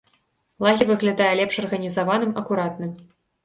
Лагер выглядае лепш арганізаваным, акуратным.